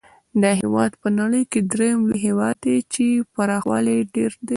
دا هېواد په نړۍ کې درېم لوی هېواد دی چې پراخوالی یې ډېر دی.